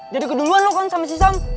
jadi keduluan lu kan sama si sam